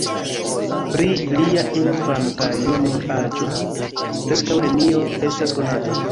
Pri lia infan- kaj junul-aĝo preskaŭ nenio estas konata.